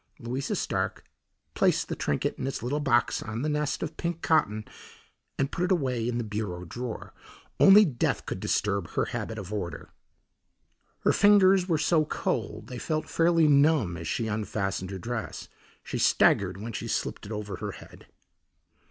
Louisa Stark placed the trinket in its little box on the nest of pink cotton and put it away in the bureau drawer. Only death could disturb her habit of order. Her fingers were so cold they felt fairly numb as she unfastened her dress; she staggered when she slipped it over her head.